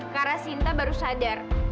karena sinta baru sadar